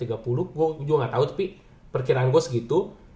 gua juga gak tau tapi perkiraan gua segitu